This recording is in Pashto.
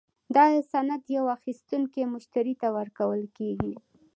دا سند یو اخیستونکي مشتري ته ورکول کیږي.